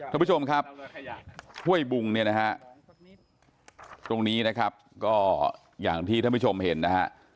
ท่านผู้ชมครับห้วยบุงเนี่ยนะฮะตรงนี้นะครับก็อย่างที่ท่านผู้ชมเห็นนะฮะ